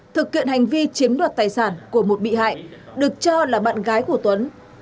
thực hiện hành vi chiếm đoạt tài sản của một bị hại được cho là bạn gái của tuấn